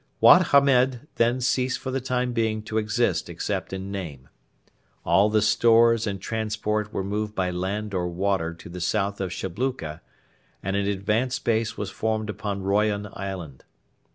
Wad Hamed then ceased for the time being to exist except in name. All the stores and transport were moved by land or water to the south of Shabluka, and an advanced base was formed upon Royan island.